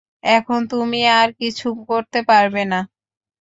এখন তুমি আর কিছু করতে পারবে না।